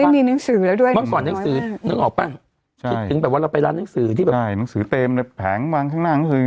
เมื่อก่อนหนังสือออกป่ะถูกถึงแบบว่าเราไปร้านหนังสือที่แบบแผงวางข้างหน้านังสือ